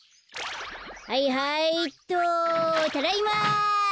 はいはいっとただいま。